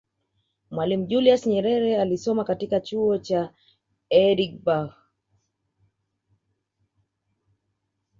mwalimu julius nyerere alisoma katika chuo cha edinburgh